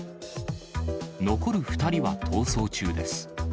残る２人は逃走中です。